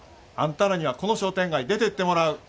あんたらにはこの商店街出てってもらう。